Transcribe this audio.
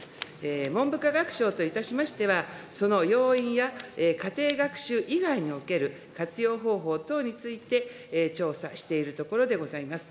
文部科学省といたしましては、その要因や家庭学習以外における活用方法等について、調査しているところでございます。